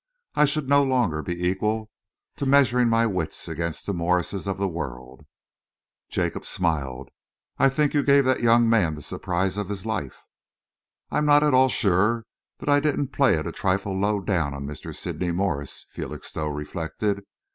I should no longer be equal to measuring my wits against the Morses of the world." Jacob smiled. "I think you gave that young man the surprise of his life." "I'm not at all sure that I didn't play it a trifle low down on Mr. Sydney Morse," Felixstowe reflected.